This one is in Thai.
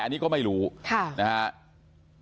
อันนี้ก็ไม่รู้นะครับ